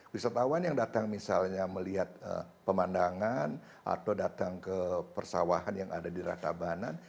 wisatawan yang datang misalnya melihat pemandangan atau datang ke persawahan yang ada di ratabanan